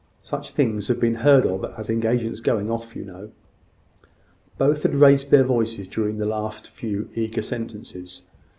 "Such things have been heard of as engagements going off, you know." Both had raised their voices during the last few eager sentences.